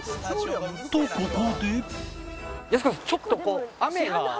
とここで